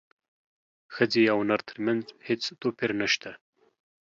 ښځې او نر ترمنځ هیڅ توپیر نشته